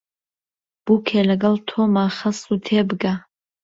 بووکێ لەگەڵ تۆمە خەسوو تێبگە